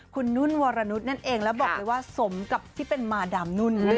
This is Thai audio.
คุณนุ่นวรนุษย์นั่นเองแล้วบอกเลยว่าสมกับที่เป็นมาดามนุ่น